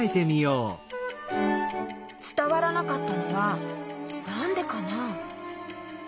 つたわらなかったのはなんでかな？